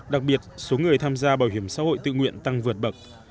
đặc biệt số người tham gia bảo hiểm xã hội tự nguyện tăng vượt bậc